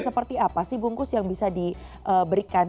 seperti apa sih bungkus yang bisa diberikan